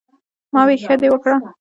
" ـ ما وې " ښۀ دې وکړۀ " ـ